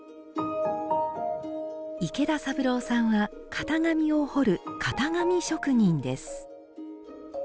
池田三郎さんは型紙を彫る型紙職人です。